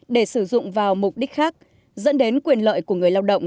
để sử dụng vào mục đích khác dẫn đến quyền lợi của người lao động